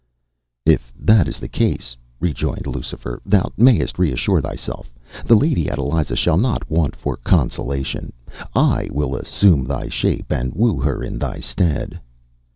” “If that is the case,” rejoined Lucifer, “thou mayest reassure thyself. The Lady Adeliza shall not want for consolation. I will assume thy shape and woo her in thy stead.